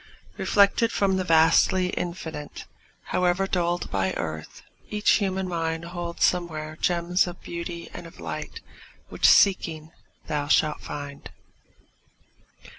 Reflected from the vastly Infinite, However dulled by earth, each human mind Holds somewhere gems of beauty and of light Which, seeking, thou shalt find.